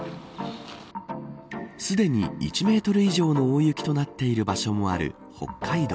すでに１メートル以上の大雪となっている場所もある北海道。